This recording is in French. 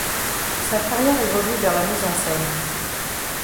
Sa carrière évolue vers la mise en scène.